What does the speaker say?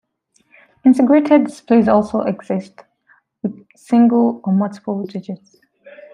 Integrated displays also exist, with single or multiple digits.